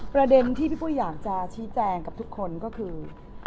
ประเด็นที่พี่ปุ้ยอยากจะชี้แจงกับทุกคนก็คือ